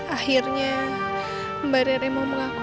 akhirnya mbak raina mau melakukan pertemuan nue